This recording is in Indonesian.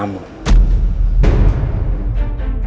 kamu mau jalanin ke jalanan